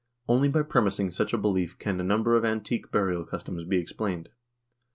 Only by premising such a belief can a number of antique burial customs be explained.